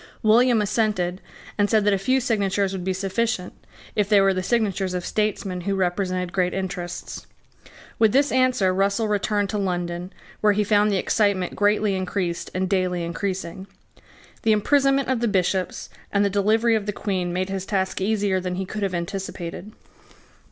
William assented, and said that a few signatures would be sufficient, if they were the signatures of statesmen who represented great interests. With this answer Russell returned to London, where he found the excitement greatly increased and daily increasing. The imprisonment of the Bishops and the delivery of the Queen made his task easier than he could have anticipated.